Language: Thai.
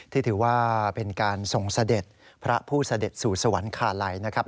ถือว่าเป็นการส่งเสด็จพระผู้เสด็จสู่สวรรคาลัยนะครับ